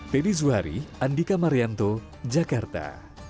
teddy zuhari andika marianto jakarta